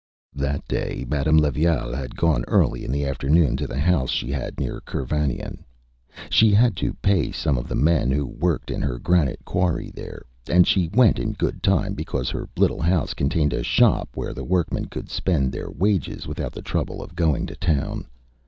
That day Madame Levaille had gone early in the afternoon to the house she had near Kervanion. She had to pay some of the men who worked in her granite quarry there, and she went in good time because her little house contained a shop where the workmen could spend their wages without the trouble of going to town.